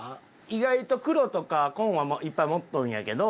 意外と黒とか紺はいっぱい持っとるんやけど。